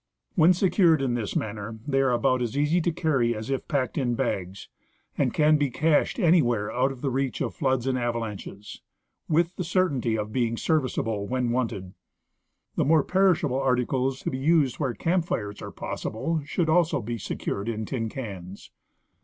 When secured in this manner they are about as easy to carry as if packed in bags, and can be " cached " anywhere out of the reach of floods and avalanches, with the certainty of being serviceable when wanted. The more perishable articles to be used where camp fires are possible should also be secured in tin cans.